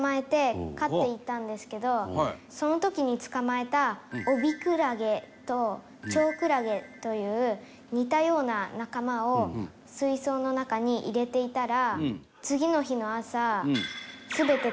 その時に捕まえたオビクラゲとチョウクラゲという似たような仲間を水槽の中に入れていたら。